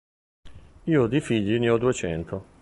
Io di figli ne ho duecento.